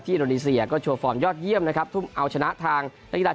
ที่อินโดรีเซียก็ถูกยอดเยี่ยมนะครับทุ่มเอาชนะทางยินด้าน